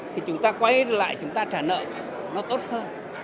thì chúng ta quay lại chúng ta trả nợ nó tốt hơn